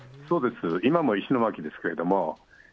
そうです、今も石巻ですけれども。